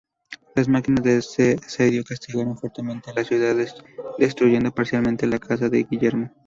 Las máquinas de asedio castigaron fuertemente la ciudad, destruyendo parcialmente la casa de Guillermo.